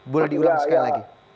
boleh diulang sekali lagi